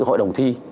hội đồng thi